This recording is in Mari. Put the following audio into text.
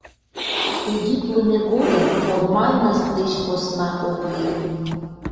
Судитлыме годым формальность деч посна ок лий.